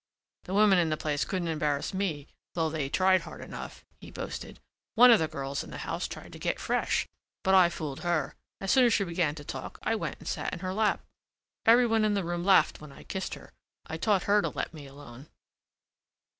"The women in the place couldn't embarrass me although they tried hard enough," he boasted. "One of the girls in the house tried to get fresh, but I fooled her. As soon as she began to talk I went and sat in her lap. Everyone in the room laughed when I kissed her. I taught her to let me alone."